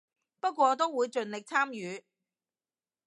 不過都會盡力參與